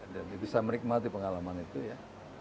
dan itu saya menikmati pengalaman itu ya